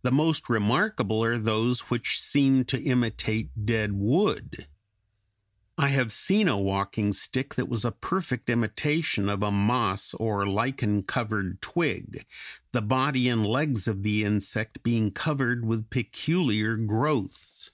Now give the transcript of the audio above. The most remarkable are those which seem to imitate dead wood. I have seen a walking stick that was a perfect imitation of a moss or lichen covered twig, the body and legs of the insect being covered with peculiar growths.